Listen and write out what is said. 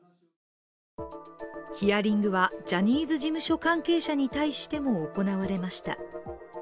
ヒアリングはジャニーズ事務所関係者に対しても行われました。